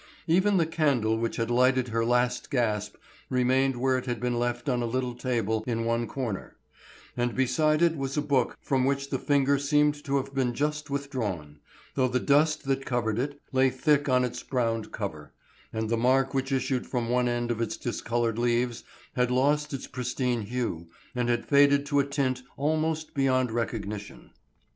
Even the candle which had lighted her last gasp remained where it had been left on a little table in one corner; and beside it was a book from which the finger seemed to have been just withdrawn, though the dust that covered it lay thick on its browned cover, and the mark which issued from one end of its discolored leaves had lost its pristine hue and had faded to a tint almost beyond recognition.